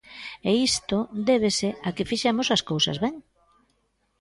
E isto débese a que fixemos as cousas ben.